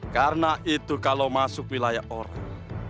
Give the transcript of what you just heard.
karena itu kalau masuk wilayah orang